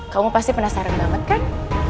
kamu pasti penasaran banget kan